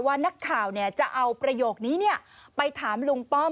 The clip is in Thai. ว่านักข่าวจะเอาประโยคนี้ไปถามลุงป้อม